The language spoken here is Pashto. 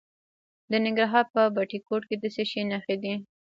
د ننګرهار په بټي کوټ کې د څه شي نښې دي؟